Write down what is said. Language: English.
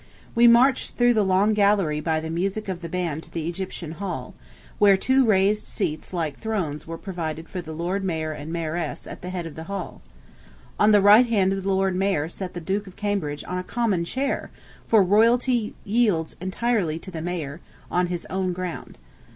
We marched through the long gallery by the music of the band to the Egyptian Hall, where two raised seats like thrones were provided for the Lord Mayor and Mayoress at the head of the hall. On the right hand of the Lord Mayor sat the Duke of Cambridge in a common chair, for royalty yields entirely to the Mayor, on his own ground.